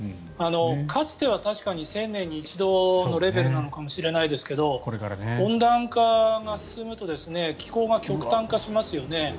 かつては１０００年に一度のレベルなのかもしれないですけど温暖化が進むと気候が極端化しますよね。